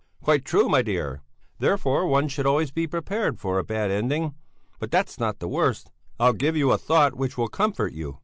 "Quite true, my dear; therefore one should always be prepared for a bad ending. But that's not the worst. I'll give you a thought which will comfort you.